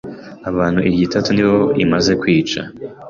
abantu iryitatu nibo imaze kwica